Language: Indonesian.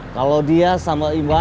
kalau dia sama iwan